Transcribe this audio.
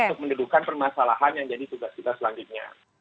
untuk mendudukan permasalahan yang jadi tugas kita selanjutnya